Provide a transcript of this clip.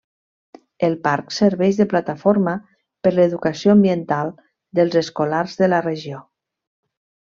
El parc serveix de plataforma per l'educació ambiental dels escolars de la regió.